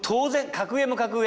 格上も格上。